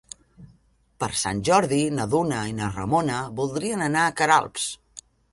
Per Sant Jordi na Duna i na Ramona voldrien anar a Queralbs.